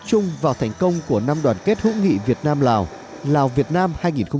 chung vào thành công của năm đoàn kết hữu nghị việt nam lào lào việt nam hai nghìn một mươi tám